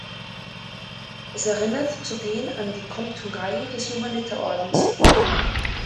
Es erinnert zudem an die Komturei des Johanniterordens.